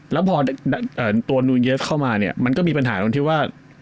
แล้วพอตัวนูนเยอะเข้ามาเนี่ยมันก็มีปัญหาตรงที่ว่า